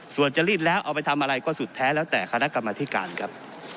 ส่วนจะรีดแล้วเอาไปทำอะไรก็สุดแท้แล้วแต่คณะกรรมธิการครับ